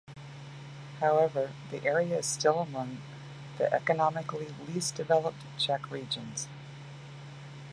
However, the area is still among the economically least-developed Czech regions.